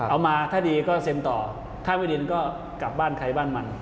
มาถ้าดีก็เซ็นต่อถ้าไม่ดินก็กลับบ้านใครบ้านมัน